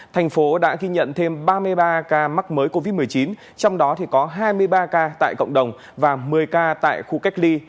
thành phố đã ghi nhận thêm ba mươi ba ca mắc mới covid một mươi chín trong đó có hai mươi ba ca tại cộng đồng và một mươi ca tại khu cách ly